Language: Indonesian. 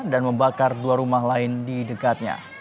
dan membakar dua rumah lain di dekatnya